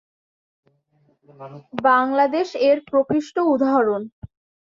যেমন- বাংলাদেশ এর প্রকৃষ্ট উদাহরণ।